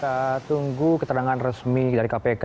kita tunggu keterangan resmi dari kpk